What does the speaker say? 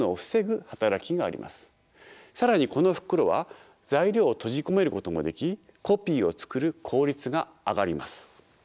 更にこの袋は材料を閉じ込めることもできコピーを作る効率が上がります。